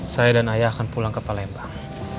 saya dan ayah akan pulang ke palembang